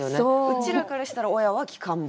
うちらからしたら親はきかん坊。